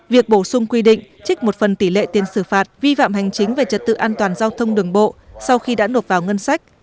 việc bổ sung quy định trích một phần tỷ lệ tiền xử phạt vi phạm hành chính về trật tự an toàn giao thông đường bộ sau khi đã nộp vào ngân sách